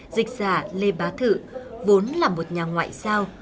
dịch giả lê bá thự vốn là một nhà ngoại giao